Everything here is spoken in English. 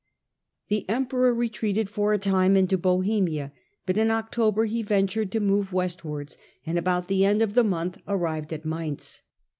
The emperor retreated for a time into Bohemia, but in October he ventured to move westwards, and about the end of the month arrived at Mainz.